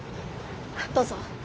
どうぞ。